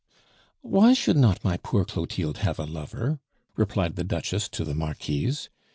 '" "Why should not my poor Clotilde have a lover?" replied the Duchess to the Marquise.